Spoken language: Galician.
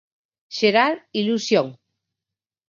"Xerar ilusión".